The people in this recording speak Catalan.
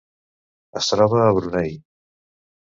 Es troba a Brunei.